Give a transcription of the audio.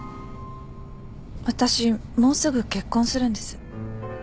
私もうすぐ結婚するんです。